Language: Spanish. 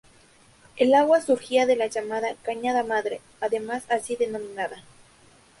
El agua surgía de la llamada "Cañada Madre", además así denominada.